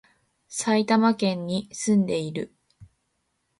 埼玉県に、住んでいる